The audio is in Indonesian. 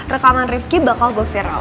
rekaman rifki bakal gue viral